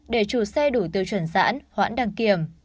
để chủ xe đủ tiêu chuẩn giãn hoãn đăng kiểm